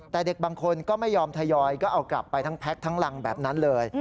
แต่เด็กบางคนก็ไม่ยอมทยอยก็เอากลับไปทั้งแพ็คทั้งรังแบบนั้นเลย